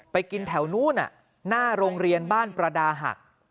ไปกินแถวนู้นหน้าโรงเรียนบ้านประดาหัก